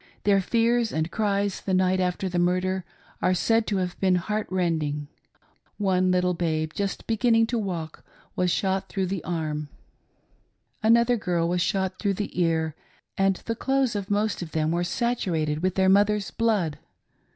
Their fears and cries the night after the murder are said to have been heart rending. One little babe, just begin ning to walk, was shot through the arm. Another little girl THE SPOIL OF THE MURDERED EMIGRANTS. $37 was shot through the ear, and the clothes of most of them were saturated with their mothers' blood.